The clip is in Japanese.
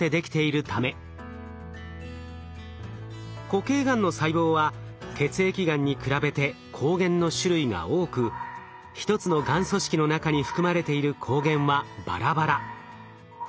固形がんの細胞は血液がんに比べて抗原の種類が多く一つのがん組織の中に含まれている抗原はバラバラ。